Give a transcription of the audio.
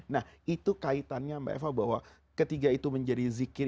nah itu kaitannya mbak eva bahwa ketiga itu menjadi zikir